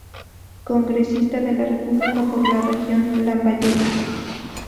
Congresista de la República por la región Lambayeque.